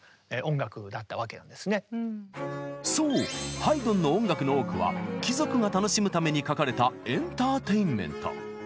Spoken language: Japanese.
そうハイドンの音楽の多くは貴族が楽しむために書かれたエンターテインメント。